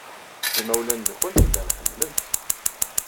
Imawlan-nwent llan ḥemmlen-t.